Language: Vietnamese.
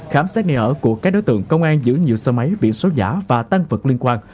khám xét nghề ở của các đối tượng công an giữ nhiều xe máy bị xấu giả và tăng vật liên quan